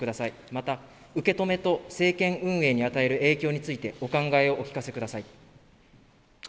また、受け止めと、政権運営に与える影響についてお考えをお聞かせください。